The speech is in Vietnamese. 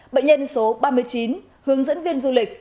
bệnh nhân số ba mươi chín hướng dẫn viên du lịch